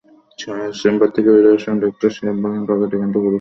Chamber থেকে বের হওয়ার সময় ডাক্তার সাহেব বললেন, পাখিটা কিন্তু পুরুষ পাখি।